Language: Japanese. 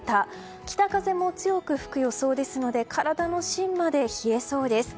北風も強く吹く予想ですので体の芯まで冷えそうです。